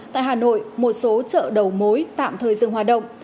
tại hà nội một số chợ đầu mối tạm thời dừng hoạt động